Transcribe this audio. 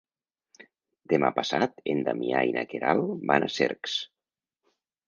Demà passat en Damià i na Queralt van a Cercs.